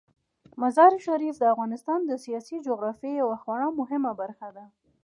مزارشریف د افغانستان د سیاسي جغرافیې یوه خورا مهمه برخه ده.